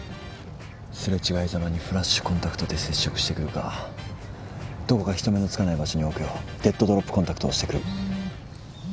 擦れ違いざまにフラッシュコンタクトで接触してくるかどこか人目のつかない場所に置くようデッドドロップコンタクトをしてくる。